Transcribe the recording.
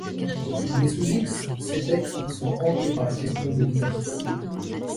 Née sous X, ses textes sont hantés par la question de l’identité.